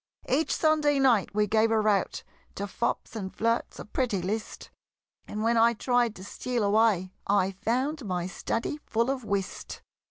Each Sunday night we gave a rout To fops and flirts, a pretty list; And when I tried to steal away, I found my study full of whist!